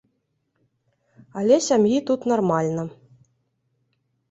Але сям'і тут нармальна.